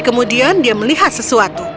namun dia melihat sesuatu